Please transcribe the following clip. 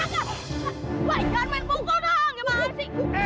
nangka pak jangan main pukul dong ya maaf sih